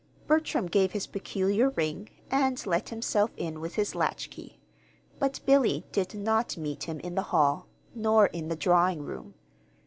Bertram gave his peculiar ring and let himself in with his latchkey; but Billy did not meet him in the hall, nor in the drawing room.